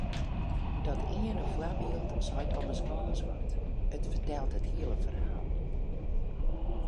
Dat iene foarbyld seit ommers gâns wat, it fertelt it hiele ferhaal.